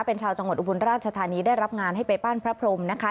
เป็นชาวจังหวัดอุบลราชธานีได้รับงานให้ไปปั้นพระพรมนะคะ